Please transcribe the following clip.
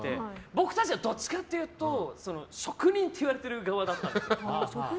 僕たちはどっちかというと職人って言われてる側だったので。